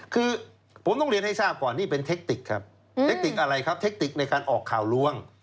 คือผมต้องเรียนให้ทราบก่อนนี่เป็นเทคติกครับเทคติกอะไรครับเทคติกในการออกข่าวล้วง